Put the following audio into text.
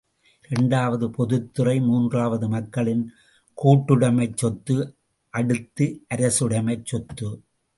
இரண்டாவது பொதுத்துறை மூன்றாவது மக்களின் கூட்டுடைமைச் சொத்து, அடுத்து அரசுடைமை ச் சொத்து.